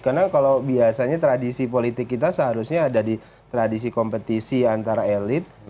karena kalau biasanya tradisi politik kita seharusnya ada di tradisi kompetisi antara elit